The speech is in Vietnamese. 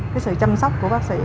cái sự chăm sóc của bác sĩ